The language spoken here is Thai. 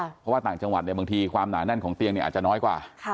เพราะว่าต่างจังหวัดเนี่ยบางทีความหนาแน่นของเตียงเนี่ยอาจจะน้อยกว่า